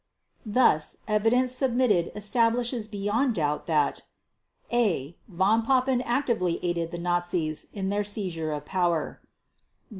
Thus, evidence submitted establishes beyond doubt that: a) Von Papen actively aided the Nazis in their seizure of power.